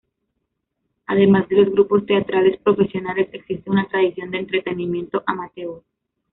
Además de los grupos teatrales profesionales, existe una tradición de entretenimiento amateur.